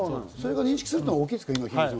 認識するのは大きいですか？